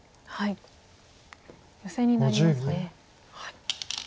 ヨセになりますね。